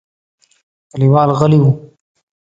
کليوال غلي وو.